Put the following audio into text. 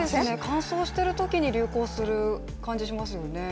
乾燥してるときに流行してる感じしますよね。